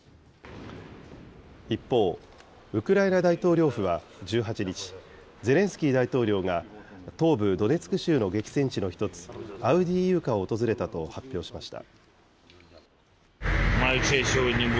一方、ウクライナ大統領府は１８日、ゼレンスキー大統領が東部ドネツク州の激戦地の一つ、アウディーイウカを訪れたと発表しました。